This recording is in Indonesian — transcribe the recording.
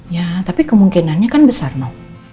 ya tapi kemungkinannya kan besar nok